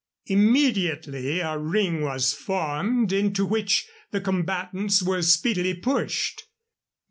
Immediately a ring was formed, into which the combatants were speedily pushed.